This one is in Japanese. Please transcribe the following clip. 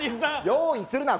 用意するな。